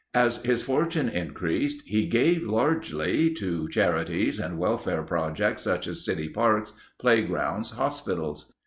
As his fortune increased he gave largely to charities and welfare projects such as city parks, playgrounds, hospitals.